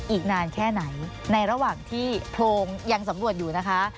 อีกนานแค่ไหนในระหว่างที่โพรงยังสำรวจอยู่นะคะ